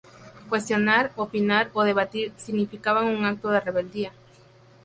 Cuestionar, opinar o debatir significaban un acto de rebeldía.